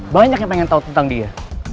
banyak yang pengen tahu tentang dia